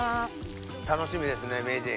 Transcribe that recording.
楽しみですね名人。